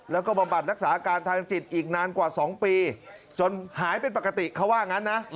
แล้วก็บำบัดรักษาอาการทางจิตอีกนานกว่า๒ปีจนหายเป็นปกติเขาว่างั้นนะ